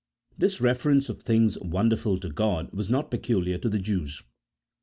This reference of things wonderful to God was not peculiar to the Jews.